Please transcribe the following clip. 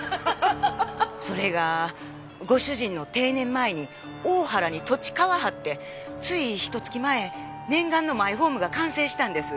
それがご主人の定年前に大原に土地買わはってついひと月前念願のマイホームが完成したんです。